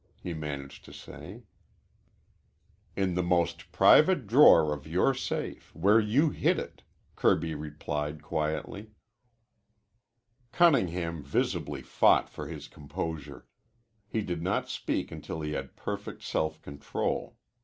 he managed to say. "In the most private drawer of your safe, where you hid it," Kirby replied quietly. Cunningham visibly fought for his composure. He did not speak until he had perfect self control.